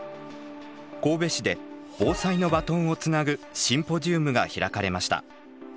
神戸市で防災のバトンをつなぐシンポジウムが開かれました。